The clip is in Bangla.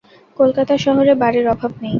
কলকাতা শহরে বাড়ির অভাব নেই।